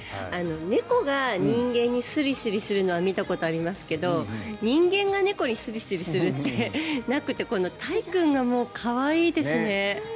猫が人間にスリスリするのは見たことありますけど人間が猫にスリスリするってなくてたい君が可愛いですね。